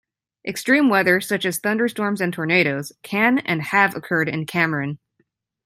Extreme weather, such as thunderstorms and tornadoes, can and have occurred in Cameron.